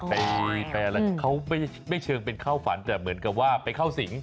ไปอะไรเขาไม่เชิงเป็นเข้าฝันแต่เหมือนกับว่าไปเข้าสิง